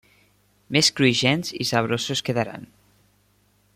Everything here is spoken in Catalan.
Més cruixents i saborosos quedaran.